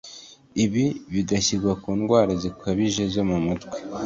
Ibi bigashyira ku ndwara zikabije zo mu mutwe